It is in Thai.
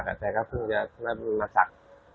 ก็คิดน้ำนานถึงจะตัก